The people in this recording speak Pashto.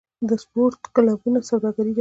د سپورت کلبونه سوداګري ده؟